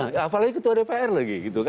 nah apalagi ketua dpr lagi gitu kan